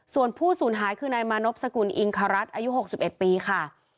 ส่วนผู้สูญหายคือนายมานพสกุลอิงครัฐอายุ๖๑ปีค่ะ